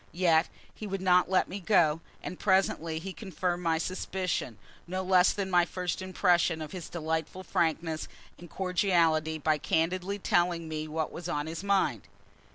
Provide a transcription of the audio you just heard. Yet he would not let me go; and presently he confirmed my suspicion, no less than my first impression of his delightful frankness and cordiality, by candidly telling me what was on his mind.